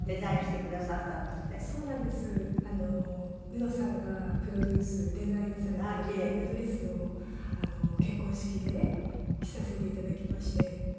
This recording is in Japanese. うのさんがプロデュースデザインされたウェディングドレスを結婚式で着させて頂きまして。